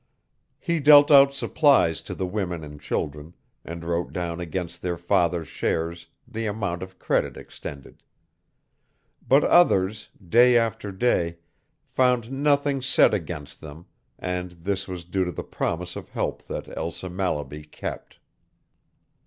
He dealt out supplies to the women and children, and wrote down against their fathers' shares the amount of credit extended. But others, day after day, found nothing set against them, and this was due to the promise of help that Elsa Mallaby kept.